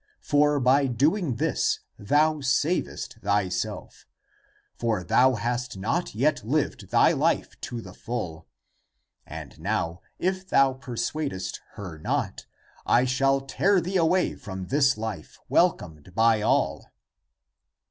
For by doing this thou savest thyself. For thou hast not yet lived thy life to the full. And know, if thou persuadest her not, I shall tear thee away from this life welcomed by all."